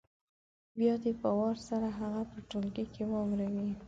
بیا دې په وار سره هغه په ټولګي کې واوروي